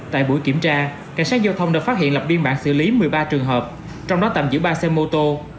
tại buổi kiểm tra cảnh sát giao thông đã phát hiện lập biên bản xử lý một mươi ba trường hợp trong đó tạm giữ ba xe mô tô